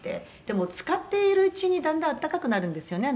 「でもつかっているうちにだんだん温かくなるんですよね